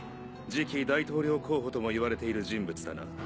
次期大統領候補ともいわれている人物だな。